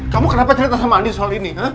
kamu kenapa cerita sama andi soal ini